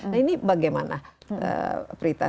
nah ini bagaimana prita